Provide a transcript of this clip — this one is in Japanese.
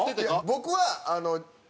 僕は。